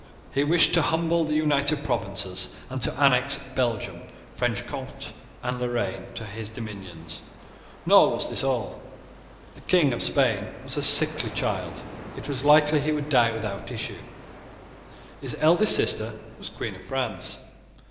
He wished to humble the United Provinces, and to annex Belgium, Franche Comte, and Loraine to his dominions. Nor was this all. The King of Spain was a sickly child. It was likely that he would die without issue. His eldest sister was Queen of France.